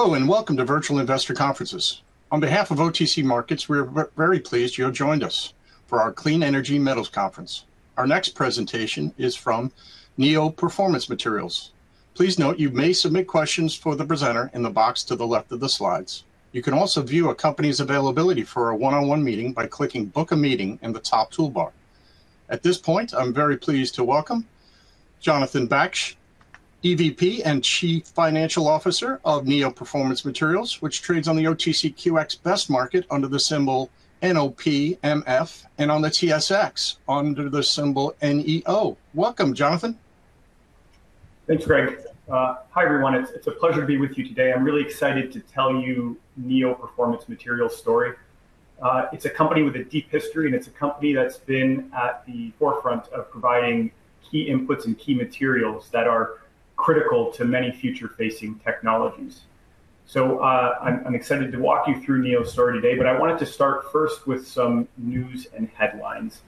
Hello and welcome to Virtual Investor Conferences. On behalf of OTC Markets, we are very pleased you have joined us for our Clean Energy Metals Conference. Our next presentation is from Neo Performance Materials. Please note you may submit questions for the presenter in the box to the left of the slides. You can also view a company's availability for a one-on-one meeting by clicking "Book a Meeting" in the top toolbar. At this point, I'm very pleased to welcome Jonathan Baksh, EVP and Chief Financial Officer of Neo Performance Materials, which trades on the OTCQX Best Market under the symbol NOPMF and on the TSX under the symbol NEO. Welcome, Jonathan. Thanks, Greg. Hi everyone. It's a pleasure to be with you today. I'm really excited to tell you Neo Performance Materials' story. It's a company with a deep history, and it's a company that's been at the forefront of providing key inputs and key materials that are critical to many future-facing technologies. I'm excited to walk you through Neo's story today, but I wanted to start first with some news and headlines.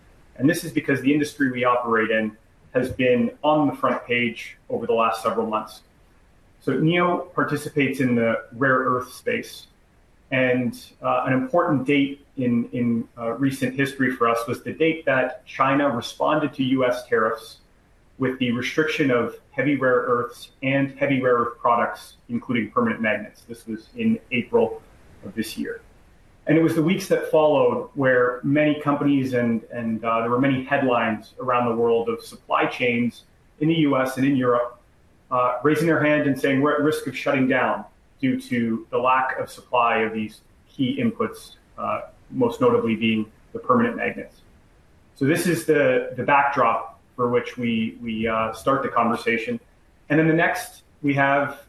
This is because the industry we operate in has been on the front page over the last several months. Neo participates in the rare earth space, and an important date in recent history for us was the date that China responded to U.S. tariffs with the restriction of heavy rare earths and heavy rare earth products, including permanent magnets. This was in April of this year. It was the weeks that followed where many companies, and there were many headlines around the world of supply chains in the U.S. and in Europe raising their hand and saying we're at risk of shutting down due to the lack of supply of these key inputs, most notably being the permanent magnets. This is the backdrop for which we start the conversation. Next, we have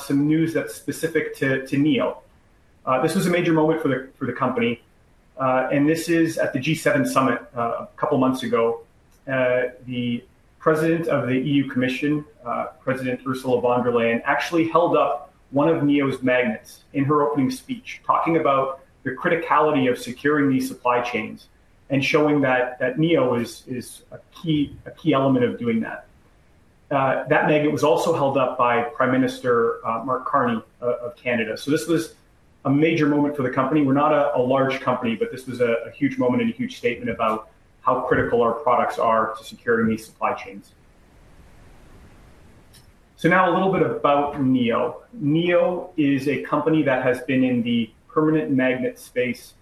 some news that's specific to Neo. This was a major moment for the company, and this is at the G7 Summit a couple of months ago. The President of the EU Commission, President Ursula von der Leyen, actually held up one of Neo's magnets in her opening speech, talking about the criticality of securing these supply chains and showing that Neo is a key element of doing that. That magnet was also held up by Prime Minister Mark Carney of Canada. This was a major moment for the company. We're not a large company, but this was a huge moment and a huge statement about how critical our products are to securing these supply chains. Now a little bit about Neo. Neo is a company that has been in the permanent magnet space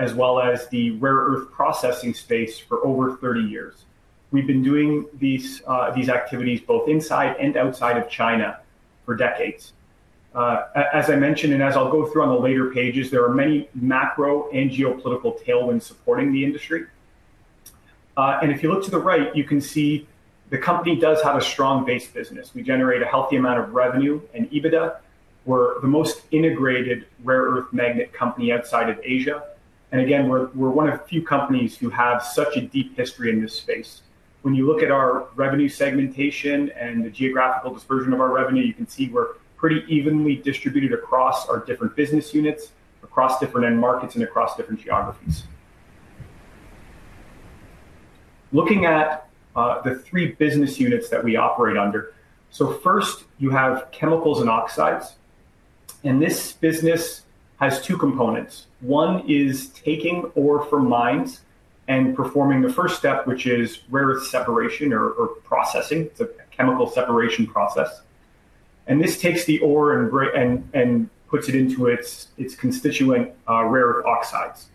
as well as the rare earth processing space for over 30 years. We've been doing these activities both inside and outside of China for decades. As I mentioned, and as I'll go through on the later pages, there are many macro and geopolitical tailwinds supporting the industry. If you look to the right, you can see the company does have a strong base business. We generate a healthy amount of revenue and EBITDA. We're the most integrated rare earth magnet company outside of Asia. Again, we're one of few companies who have such a deep history in this space. When you look at our revenue segmentation and the geographical dispersion of our revenue, you can see we're pretty evenly distributed across our different business units, across different end markets, and across different geographies. Looking at the three business units that we operate under, first you have Chemicals & Oxides, and this business has two components. One is taking ore from mines and performing the first step, which is rare earth separation or processing. It's a chemical separation process, and this takes the ore and puts it into its constituent rare earth oxides.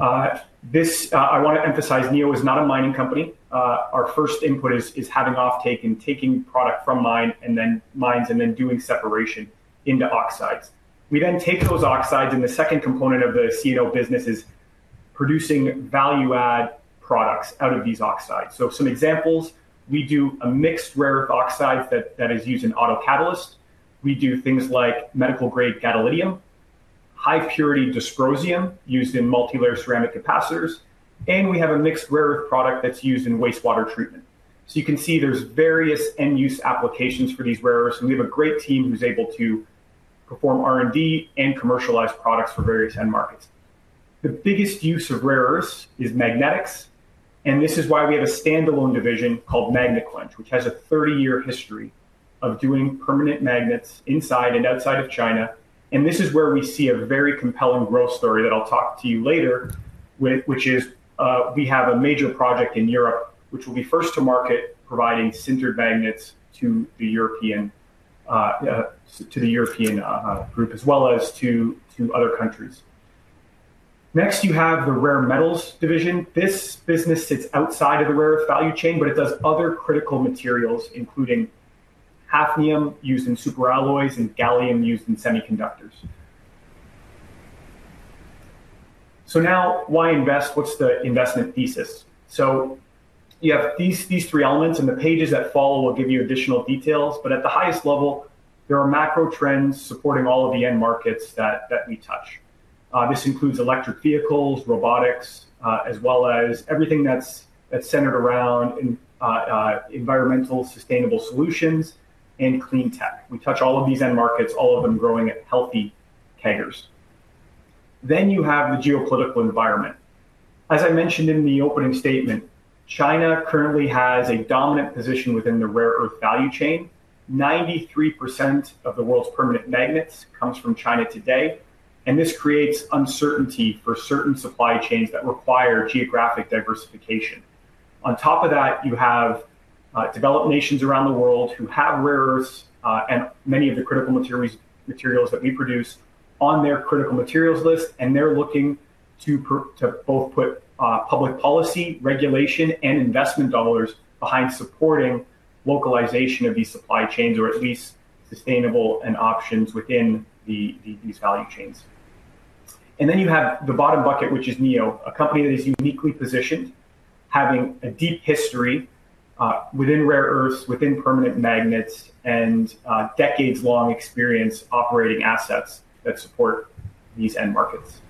I want to emphasize, Neo is not a mining company. Our first input is having off-taking, taking product from mines and then doing separation into oxides. We then take those oxides, and the second component of the C&O business is producing value-added products out of these oxides. Some examples: we do a mixed rare earth oxide that is used in auto catalysts. We do things like medical-grade gadolinium, high-purity dysprosium used in multilayer ceramic capacitors, and we have a mixed rare earth product that's used in water treatment. You can see there's various end-use applications for these rare earths, and we have a great team who's able to perform R&D and commercialize products for various end markets. The biggest use of rare earths is magnetics, and this is why we have a standalone division called Magnequench, which has a 30-year history of doing permanent magnets inside and outside of China. This is where we see a very compelling growth story that I'll talk to you later, which is we have a major project in Europe, which will be first to market, providing sintered magnets to the European group as well as to other countries. Next, you have the Rare Metals division. This business sits outside of the rare earth value chain, but it does other critical materials, including hafnium used in superalloys and gallium used in semiconductors. Now, why invest? What's the investment thesis? You have these three elements, and the pages that follow will give you additional details. At the highest level, there are macro trends supporting all of the end markets that we touch. This includes electric vehicles, robotics, as well as everything that's centered around environmental sustainable solutions and clean tech. We touch all of these end markets, all of them growing at healthy CAGRs. You have the geopolitical environment. As I mentioned in the opening statement, China currently has a dominant position within the rare earth value chain. 93% of the world's permanent magnets come from China today, and this creates uncertainty for certain supply chains that require geographic diversification. On top of that, you have developed nations around the world who have rare earths and many of the critical materials that we produce on their critical materials list, and they're looking to both put public policy, regulation, and investment dollars behind supporting localization of these supply chains or at least sustainable options within these value chains. You have the bottom bucket, which is Neo, a company that is uniquely positioned, having a deep history within rare earths, within permanent magnets, and decades-long experience operating assets that support these end markets.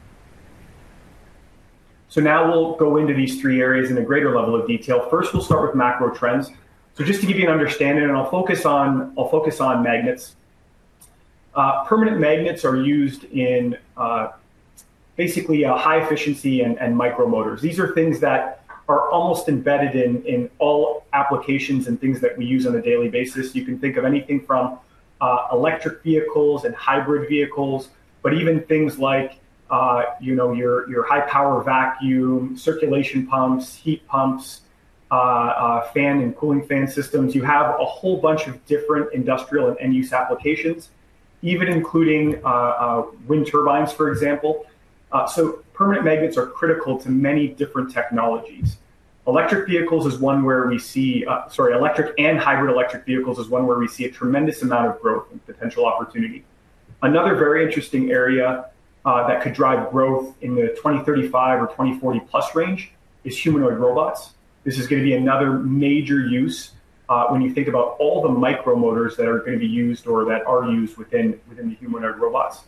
Now we'll go into these three areas in a greater level of detail. First, we'll start with macro trends. Just to give you an understanding, and I'll focus on magnets. Permanent magnets are used in basically high efficiency and micromotors. These are things that are almost embedded in all applications and things that we use on a daily basis. You can think of anything from electric vehicles and hybrid vehicles, but even things like your high-power vacuum, circulation pumps, heat pumps, fan and cooling fan systems. You have a whole bunch of different industrial and end-use applications, even including wind turbines, for example. Permanent magnets are critical to many different technologies. Electric vehicles is one where we see, sorry, electric and hybrid electric vehicles is one where we see a tremendous amount of growth and potential opportunity. Another very interesting area that could drive growth in the 2035 or 2040 plus range is humanoid robots. This is going to be another major use when you think about all the micromotors that are going to be used or that are used within the humanoid robots.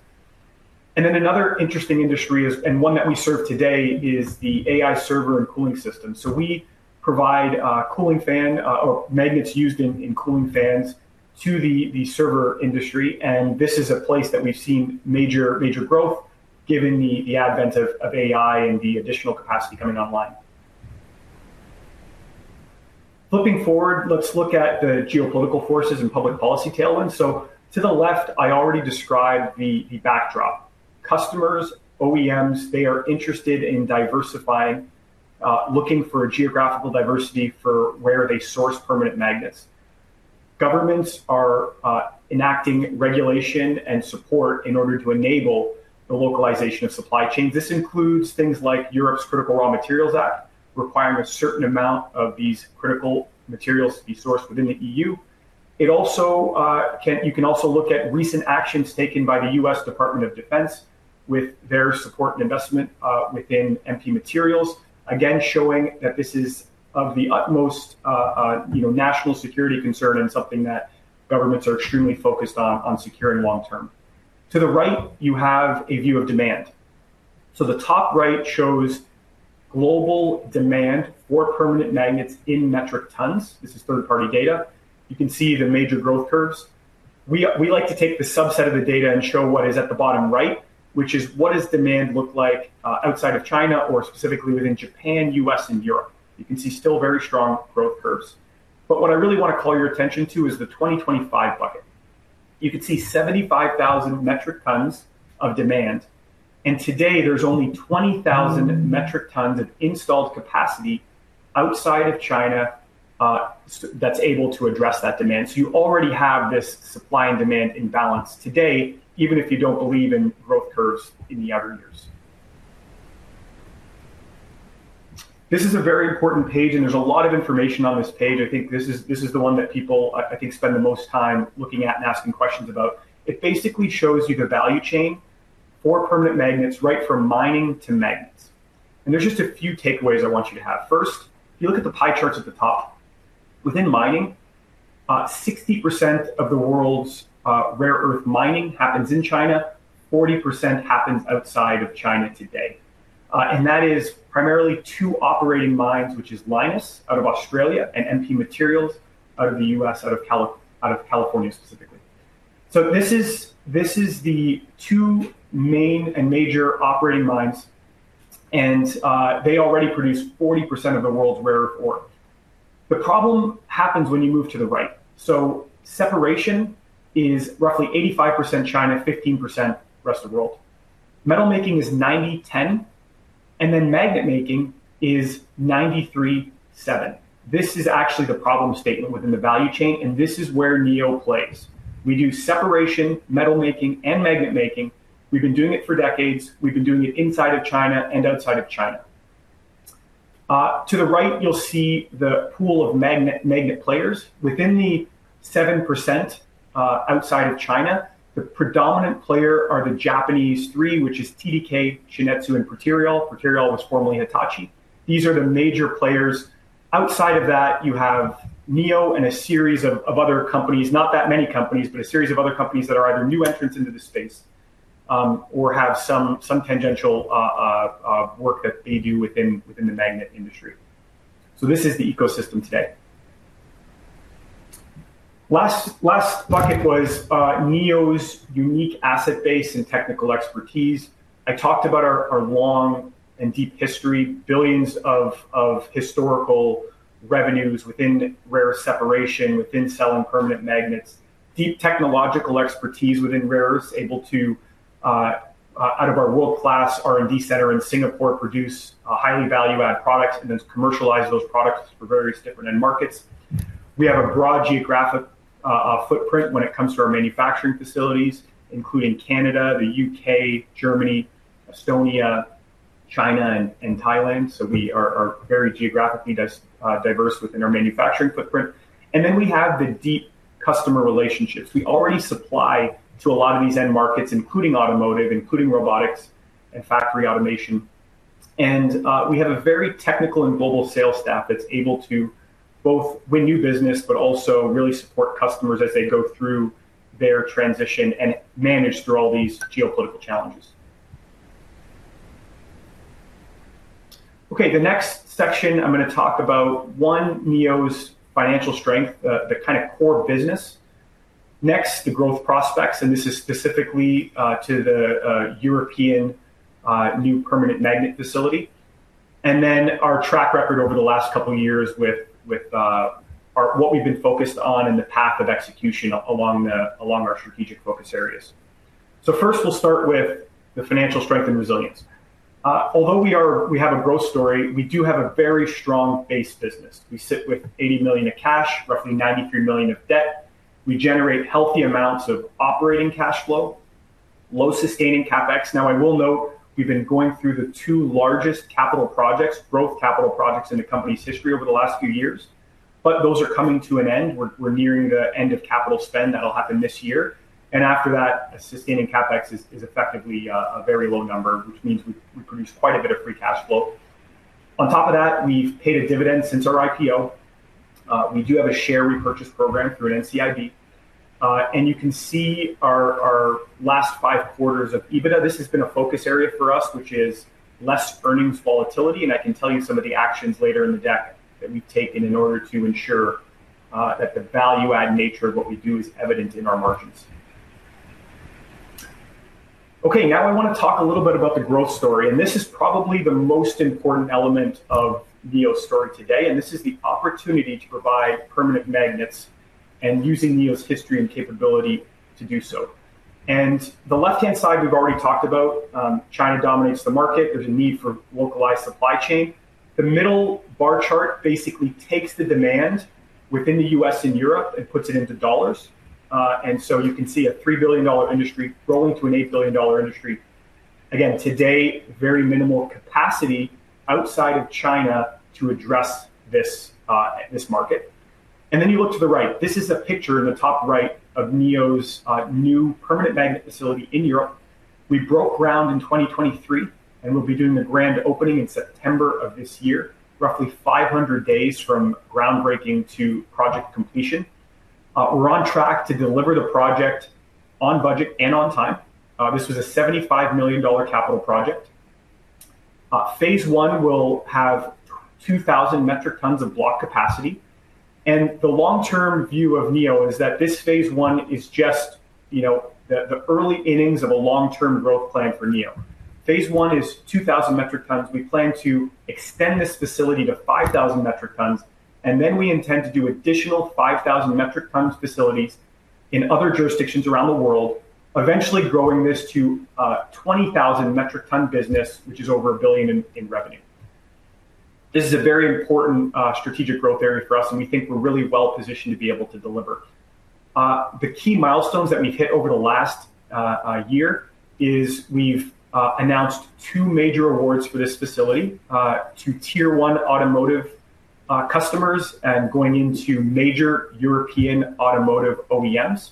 Another interesting industry is, and one that we serve today, is the AI server and cooling system. We provide cooling fan or magnets used in cooling fans to the server industry, and this is a place that we've seen major growth given the advent of AI and the additional capacity coming online. Flipping forward, let's look at the geopolitical forces and public policy tailwinds. To the left, I already described the backdrop. Customers, OEMs, they are interested in diversifying, looking for geographical diversity for where they source permanent magnets. Governments are enacting regulation and support in order to enable the localization of supply chains. This includes things like Europe's Critical Raw Materials Act requiring a certain amount of these critical materials to be sourced within the EU. You can also look at recent actions taken by the U.S. Department of Defense with their support and investment within rare earth materials, again showing that this is of the utmost national security concern and something that governments are extremely focused on securing long term. To the right, you have a view of demand. The top right shows global demand for permanent magnets in metric tons. This is third-party data. You can see the major growth curves. We like to take the subset of the data and show what is at the bottom right, which is what does demand look like outside of China or specifically within Japan, U.S., and Europe. You can see still very strong growth curves. What I really want to call your attention to is the 2025 bucket. You can see 75,000 metric tons of demand, and today there's only 20,000 metric tons of installed capacity outside of China that's able to address that demand. You already have this supply and demand imbalance today, even if you don't believe in growth curves in the other years. This is a very important page, and there's a lot of information on this page. I think this is the one that people spend the most time looking at and asking questions about. It basically shows you the value chain for permanent magnets right from mining to magnets. There are just a few takeaways I want you to have. First, if you look at the pie charts at the top, within mining, 60% of the world's rare earth mining happens in China, 40% happens outside of China today. That is primarily two operating mines, which is Lynas out of Australia and MP Materials out of the U.S., out of California specifically. These are the two main and major operating mines, and they already produce 40% of the world's rare earth ore. The problem happens when you move to the right. Separation is roughly 85% China, 15% rest of the world. Metal making is 90-10, and then magnet making is 93-7. This is actually the problem statement within the value chain, and this is where Neo plays. We do separation, metal making, and magnet making. We've been doing it for decades. We've been doing it inside of China and outside of China. To the right, you'll see the pool of magnet players. Within the 7% outside of China, the predominant players are the Japanese three, which is TDK, Shin-Etsu, and [Criterial]. [Criterial] was formerly Hitachi. These are the major players. Outside of that, you have Neo and a series of other companies, not that many companies, but a series of other companies that are either new entrants into the space or have some tangential work that they do within the magnet industry. This is the ecosystem today. Last bucket was Neo's unique asset base and technical expertise. I talked about our long and deep history, billions of historical revenues within rare earth separation, within selling permanent magnets, deep technological expertise within rare earths, able to, out of our world-class R&D center in Singapore, produce a highly value-add product and then commercialize those products for various different end markets. We have a broad geographic footprint when it comes to our manufacturing facilities, including Canada, the U.K., Germany, Estonia, China, and Thailand. We are very geographically diverse within our manufacturing footprint. We have the deep customer relationships. We already supply to a lot of these end markets, including automotive, including robotics and factory automation. We have a very technical and global sales staff that's able to both win new business, but also really support customers as they go through their transition and manage through all these geopolitical challenges. The next section I'm going to talk about, one, Neo's financial strength, the kind of core business. Next, the growth prospects, and this is specifically to the European permanent magnet facility. Then our track record over the last couple of years with what we've been focused on and the path of execution along our strategic focus areas. First we'll start with the financial strength and resilience. Although we have a growth story, we do have a very strong base business. We sit with $80 million of cash, roughly $93 million of debt. We generate healthy amounts of operating cash flow, low sustaining CapEx. I will note we've been going through the two largest capital projects, growth capital projects in the company's history over the last few years, but those are coming to an end. We're nearing the end of capital spend that'll happen this year. After that, a sustaining CapEx is effectively a very low number, which means we produce quite a bit of free cash flow. On top of that, we've paid a dividend since our IPO. We do have a share repurchase program through an NCIB, and you can see our last five quarters of EBITDA. This has been a focus area for us, which is less earnings volatility. I can tell you some of the actions later in the deck that we've taken in order to ensure that the value-add nature of what we do is evident in our margins. Now I want to talk a little bit about the growth story, and this is probably the most important element of Neo's story today. This is the opportunity to provide permanent magnets and using Neo's history and capability to do so. The left-hand side we've already talked about, China dominates the market. There's a need for localized supply chain. The middle bar chart basically takes the demand within the U.S. and Europe and puts it into dollars. You can see a $3 billion industry growing to an $8 billion industry. Today, very minimal capacity exists outside of China to address this market. You look to the right. This is a picture in the top right of Neo's new permanent magnet facility in Europe. We broke ground in 2023 and will be doing the grand opening in September of this year, roughly 500 days from groundbreaking to project completion. We're on track to deliver the project on budget and on time. This was a $75 million capital project. Phase one will have 2,000 metric tons of block capacity. The long-term view of Neo is that this phase one is just the early innings of a long-term growth plan for Neo. Phase one is 2,000 metric tons. We plan to extend this facility to 5,000 metric tons, and then we intend to do additional 5,000 metric tons facilities in other jurisdictions around the world, eventually growing this to a 20,000 metric ton business, which is over a billion in revenue. This is a very important strategic growth area for us, and we think we're really well positioned to be able to deliver. The key milestones that we've hit over the last year are we've announced two major awards for this facility to Tier 1 automotive customers and going into major European automotive OEMs.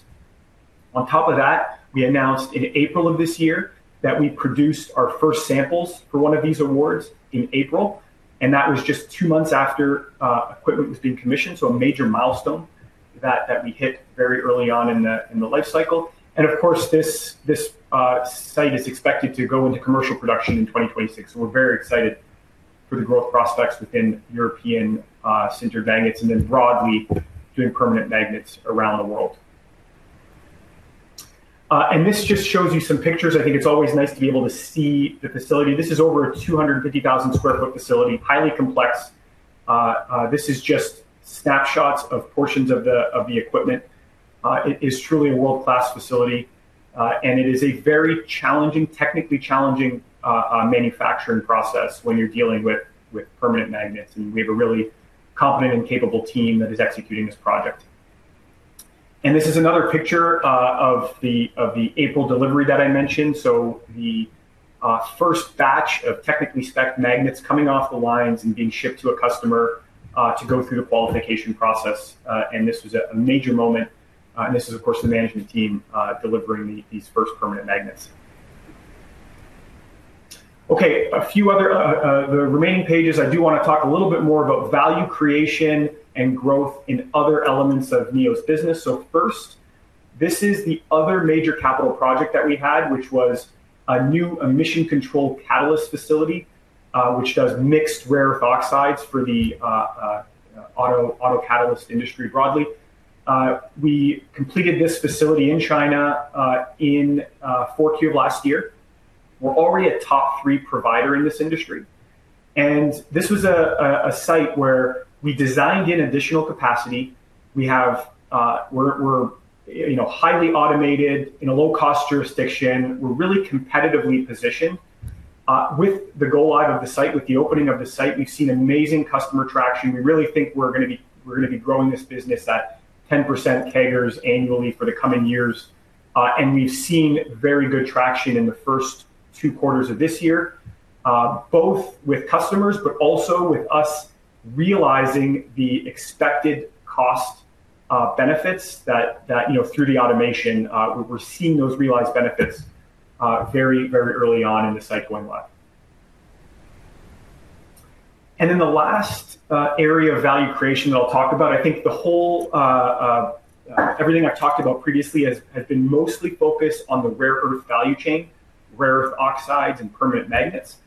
On top of that, we announced in April of this year that we produced our first samples for one of these awards in April, and that was just two months after equipment was being commissioned. A major milestone that we hit very early on in the lifecycle. Of course, this site is expected to go into commercial production in 2026. We're very excited for the growth prospects within European sintered magnets and then broadly doing permanent magnets around the world. This just shows you some pictures. I think it's always nice to be able to see the facility. This is over a 250,000 sq ft facility, highly complex. This is just snapshots of portions of the equipment. It is truly a world-class facility, and it is a very challenging, technically challenging manufacturing process when you're dealing with permanent magnets. We have a really competent and capable team that is executing this project. This is another picture of the April delivery that I mentioned. The first batch of technically spec magnets coming off the lines and being shipped to a customer to go through the qualification process. This was a major moment. This is, of course, the management team delivering these first permanent magnets. A few other, the remaining pages, I do want to talk a little bit more about value creation and growth in other elements of Neo's business. First, this is the other major capital project that we've had, which was a new emissions catalyst control plant, which does mixed rare earth oxides for the auto catalyst industry broadly. We completed this facility in China in Q4 last year. We're already a top three provider in this industry. This was a site where we designed in additional capacity. We have, we're, you know, highly automated in a low-cost jurisdiction. We're really competitively positioned with the goal out of the site. With the opening of the site, we've seen amazing customer traction. We really think we're going to be growing this business at 10% CAGRs annually for the coming years. We've seen very good traction in the first two quarters of this year, both with customers, but also with us realizing the expected cost benefits that, you know, through the automation, we're seeing those realized benefits very, very early on in the site going live. The last area of value creation that I'll talk about, I think the whole, everything I've talked about previously has been mostly focused on the rare earth value chain, rare earth oxides, and permanent magnets.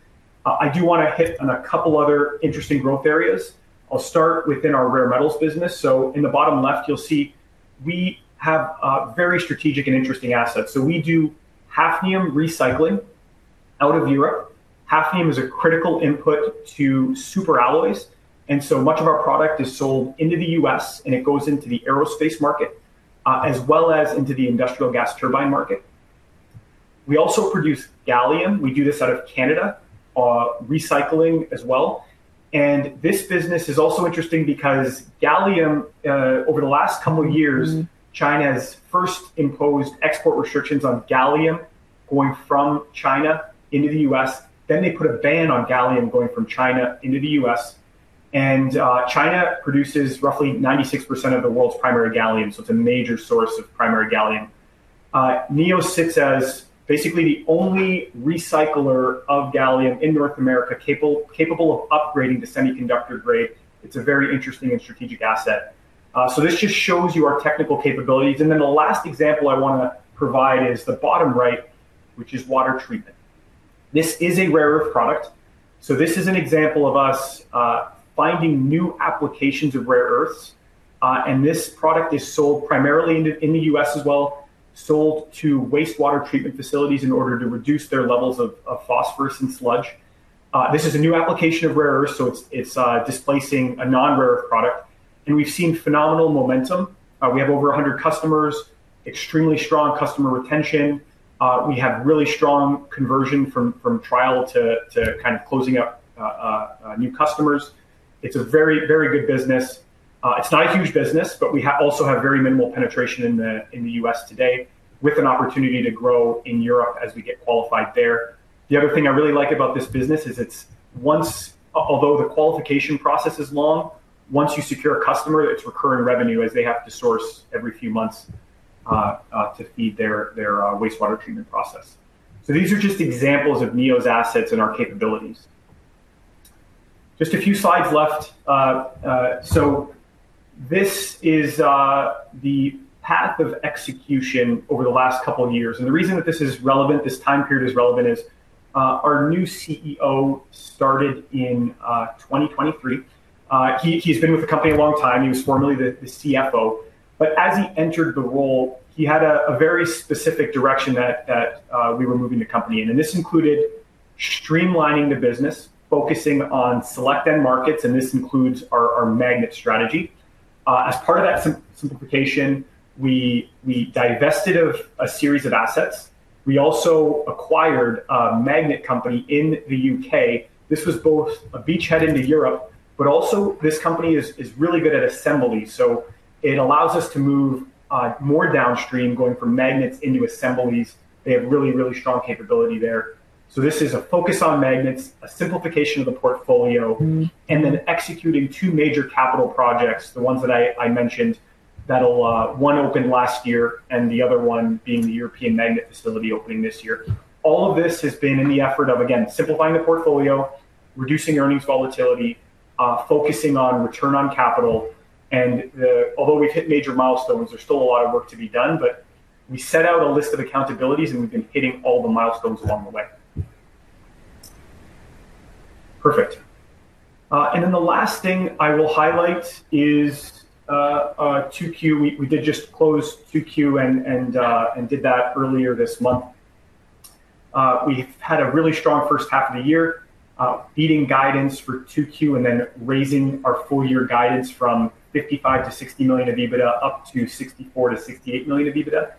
I do want to hit on a couple other interesting growth areas. I'll start within our Rare Metals business. In the bottom left, you'll see we have very strategic and interesting assets. We do hafnium recycling out of Europe. Hafnium is a critical input to superalloys, and much of our product is sold into the U.S. It goes into the aerospace market as well as into the industrial gas turbine market. We also produce gallium. We do this out of Canada, recycling as well. This business is also interesting because gallium, over the last couple of years, China has first imposed export restrictions on gallium going from China into the U.S. Then they put a ban on gallium going from China into the U.S. China produces roughly 96% of the world's primary gallium, so it's a major source of primary gallium. Neo sits as basically the only recycler of gallium in North America, capable of upgrading to semiconductor grade. It's a very interesting and strategic asset. This just shows you our technical capabilities. The last example I want to provide is the bottom right, which is water treatment. This is a rare earth product. This is an example of us finding new applications of rare earths, and this product is sold primarily in the U.S., sold to wastewater treatment facilities in order to reduce their levels of phosphorus and sludge. This is a new application of rare earths, so it's displacing a non-rare earth product. We've seen phenomenal momentum. We have over 100 customers, extremely strong customer retention, and really strong conversion from trial to kind of closing up new customers. It's a very, very good business. It's not a huge business, but we also have very minimal penetration in the U.S. today with an opportunity to grow in Europe as we get qualified there. The other thing I really like about this business is, although the qualification process is long, once you secure a customer, it's recurring revenue as they have to source every few months to feed their wastewater treatment process. These are just examples of Neo's assets and our capabilities. Just a few slides left. This is the path of execution over the last couple of years. The reason that this is relevant, this time period is relevant, is our new CEO started in 2023. He's been with the company a long time. He was formerly the CFO. As he entered the role, he had a very specific direction that we were moving the company in. This included streamlining the business, focusing on select end markets, and this includes our magnet strategy. As part of that simplification, we divested a series of assets. We also acquired a magnet company in the U.K. This was both a beachhead into Europe, but also this company is really good at assembly. It allows us to move more downstream, going from magnets into assemblies. They have really, really strong capability there. This is a focus on magnets, a simplification of the portfolio, and then executing two major capital projects, the ones that I mentioned, one that opened last year and the other one being the European permanent magnet facility opening this year. All of this has been in the effort of simplifying the portfolio, reducing earnings volatility, focusing on return on capital. Although we've hit major milestones, there's still a lot of work to be done, but we set out a list of accountabilities and we've been hitting all the milestones along the way. Perfect. The last thing I will highlight is 2Q. We did just close 2Q and did that earlier this month. We've had a really strong first half of the year, leading guidance for 2Q and then raising our full-year guidance from $55 million-$60 million of EBITDA up to $64 million-$68 million of EBITDA.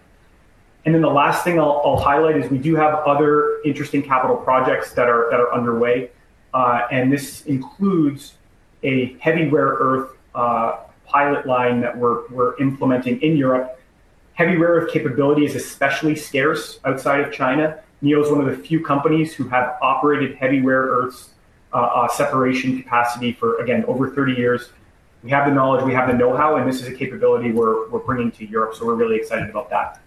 The last thing I'll highlight is we do have other interesting capital projects that are underway. This includes a heavy rare earth pilot line that we're implementing in Europe. Heavy rare earth capability is especially scarce outside of China. Neo is one of the few companies who have operated heavy rare earth separation capacity for over 30 years. We have the knowledge, we have the know-how, and this is a capability we're bringing to Europe. We're really excited about that.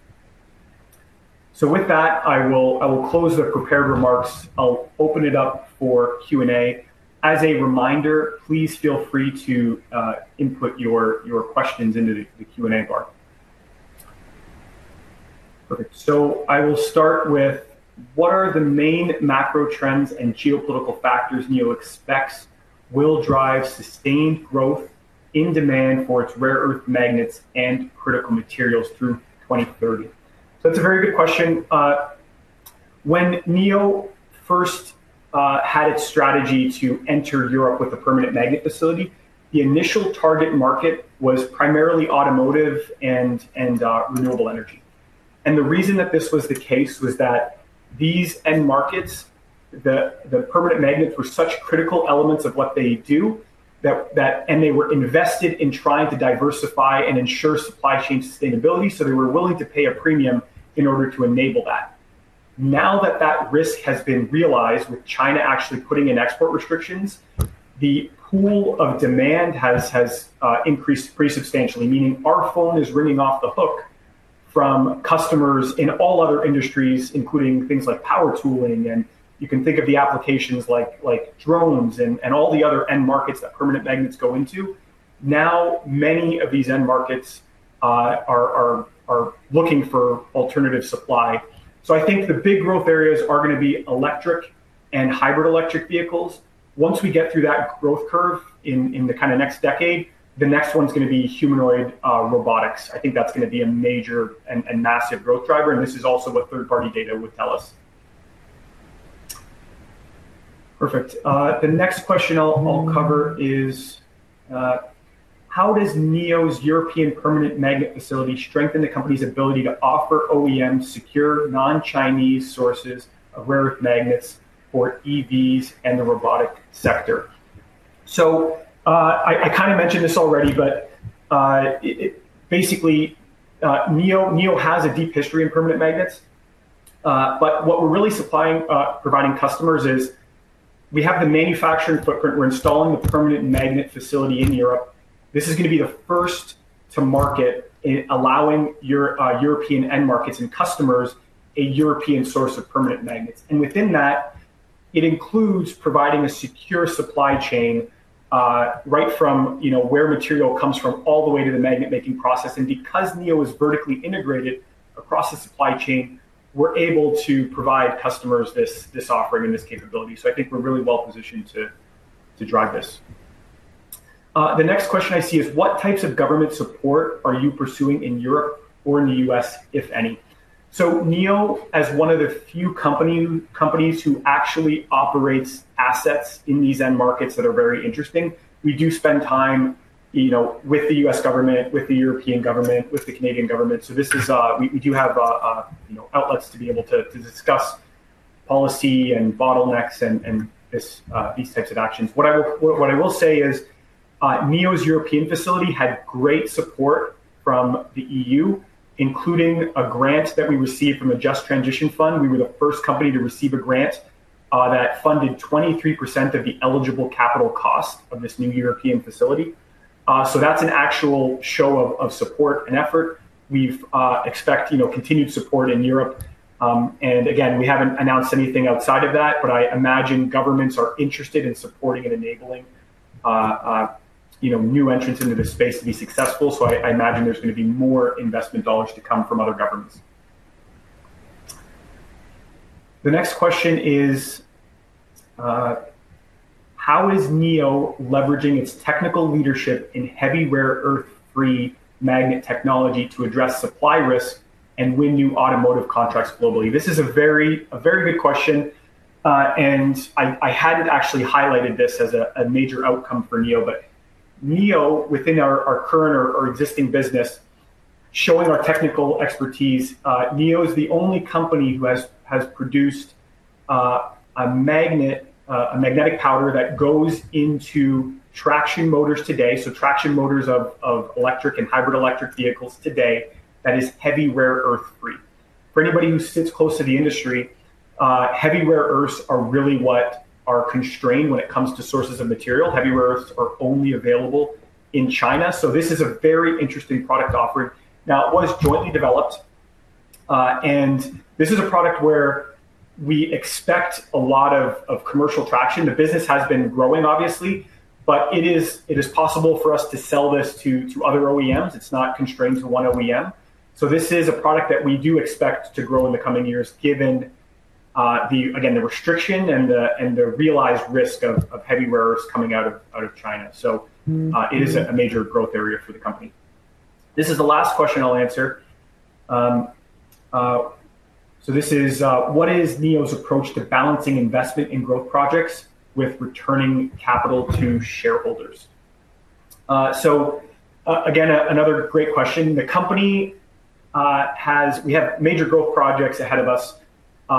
With that, I will close the prepared remarks. I'll open it up for Q&A. As a reminder, please feel free to input your questions into the Q&A bar. Okay, I will start with what are the main macro trends and geopolitical factors Neo expects will drive sustained growth in demand for its rare earth magnets and critical materials through 2030? It's a very good question. When Neo first had its strategy to enter Europe with the European permanent magnet facility, the initial target market was primarily automotive and renewable energy. The reason that this was the case was that these end markets, the permanent magnets, were such critical elements of what they do, and they were invested in trying to diversify and ensure supply chain sustainability. They were willing to pay a premium in order to enable that. Now that that risk has been realized with China actually putting in export restrictions, the pool of demand has increased pretty substantially, meaning our phone is ringing off the hook from customers in all other industries, including things like power tooling. You can think of the applications like drones and all the other end markets that permanent magnets go into. Many of these end markets are looking for alternative supply. I think the big growth areas are going to be electric and hybrid electric vehicles. Once we get through that growth curve in the next decade, the next one is going to be humanoid robotics. I think that's going to be a major and massive growth driver. This is also what third-party data would tell us. Perfect. The next question I'll cover is how does Neo's European permanent magnet facility strengthen the company's ability to offer OEMs secure non-Chinese sources of rare earth magnets for EVs and the robotic sector? I kind of mentioned this already, but basically, Neo has a deep history in permanent magnets. What we're really supplying, providing customers, is we have the manufacturing footprint. We're installing the permanent magnet facility in Europe. This is going to be the first to market, allowing European end markets and customers a European source of permanent magnets. Within that, it includes providing a secure supply chain right from where material comes from all the way to the magnet making process. Because Neo is vertically integrated across the supply chain, we're able to provide customers this offering and this capability. I think we're really well positioned to drive this. The next question I see is what types of government support are you pursuing in Europe or in the U.S., if any? Neo is one of the few companies who actually operates assets in these end markets that are very interesting. We do spend time with the U.S. government, with the European government, with the Canadian government. We do have outlets to be able to discuss policy and bottlenecks and these types of actions. What I will say is Neo's European permanent magnet facility had great support from the EU, including a grant that we received from a Just Transition Fund. We were the first company to receive a grant that funded 23% of the eligible capital cost of this new European permanent magnet facility. That's an actual show of support and effort. We expect continued support in Europe. We haven't announced anything outside of that, but I imagine governments are interested in supporting and enabling new entrants into this space to be successful. I imagine there's going to be more investment dollars to come from other governments. The next question is how is Neo leveraging its technical leadership in heavy rare earth-free magnet technology to address supply risk and win new automotive contracts globally? This is a very good question. I hadn't actually highlighted this as a major outcome for Neo, but Neo, within our current or existing business, showing our technical expertise, is the only company who has produced a magnetic powder that goes into traction motors today. Traction motors of electric and hybrid electric vehicles today that is heavy rare earth-free. For anybody who sits close to the industry, heavy rare earths are really what are constrained when it comes to sources of material. Heavy rare earths are only available in China. This is a very interesting product offering. It was jointly developed, and this is a product where we expect a lot of commercial traction. The business has been growing, obviously, but it is possible for us to sell this to other OEMs. It's not constrained to one OEM. This is a product that we do expect to grow in the coming years, given the restriction and the realized risk of heavy rare earths coming out of China. It is a major growth area for the company. This is the last question I'll answer. What is Neo's approach to balancing investment in growth projects with returning capital to shareholders? Another great question. The company has major growth projects ahead of us.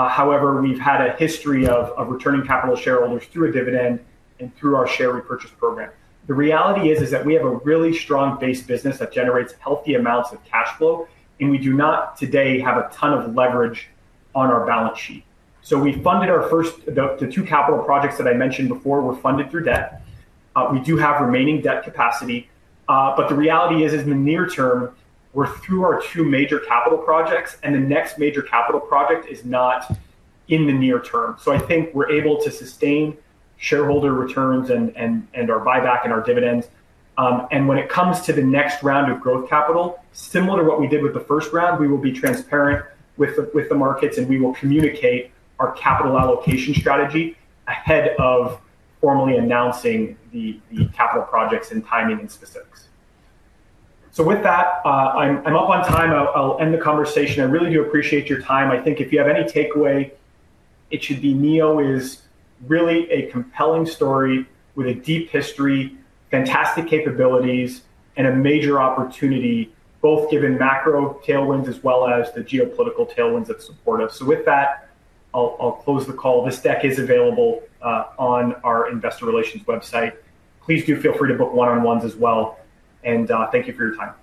However, we've had a history of returning capital to shareholders through a dividend and through our share repurchase program. The reality is that we have a really strong base business that generates healthy amounts of cash flow, and we do not today have a ton of leverage on our balance sheet. We funded our first, the two capital projects that I mentioned before were funded through debt. We do have remaining debt capacity, but the reality is in the near term, we're through our two major capital projects, and the next major capital project is not in the near term. I think we're able to sustain shareholder returns and our buyback and our dividends. When it comes to the next round of growth capital, similar to what we did with the first round, we will be transparent with the markets, and we will communicate our capital allocation strategy ahead of formally announcing the capital projects and timing and specifics. I'm up on time. I'll end the conversation. I really do appreciate your time. I think if you have any takeaway, it should be Neo is really a compelling story with a deep history, fantastic capabilities, and a major opportunity, both given macro tailwinds as well as the geopolitical tailwinds that support us. I'll close the call. This deck is available on our investor relations website. Please do feel free to book one-on-ones as well. Thank you for your time.